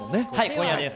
今夜です。